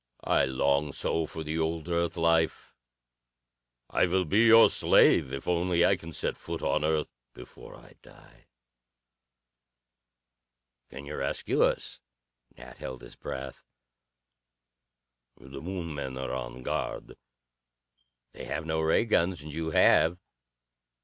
I long so for the old Earth life. I will be your slave, if only I can set foot on Earth before I die." "Can you rescue us?" Nat held his breath. "The Moon men are on guard." "They have no ray guns and you have."